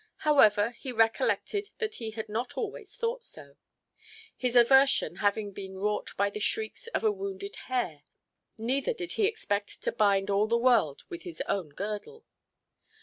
However, he recollected that he had not always thought so—his conversion having been wrought by the shrieks of a wounded hare—neither did he expect to bind all the world with his own girdle.